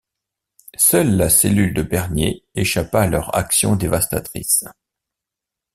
Seule la cellule de Bernier échappa à leur action dévastatrice.